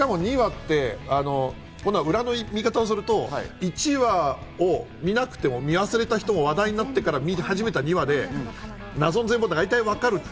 しかも２話って裏の見方をすると、１話を見なくても見忘れた人も話題になってるから見始めた人も謎の全体がだいたい分かる。